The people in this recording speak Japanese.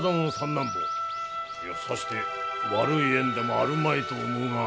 さして悪い縁でもあるまいと思うが。